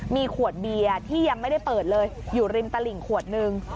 มีขวดเบียร์ที่ยังไม่ได้เปิดเลยอยู่ริมตลิ่งขวดนึง